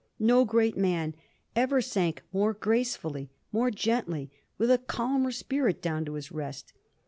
No great man ever sank more gracefully, more gently, with a cahner spirit, down to his rest.